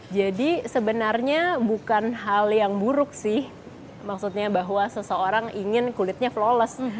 jadi sebenarnya bukan hal yang buruk sih maksudnya bahwa seseorang ingin kulitnya flawless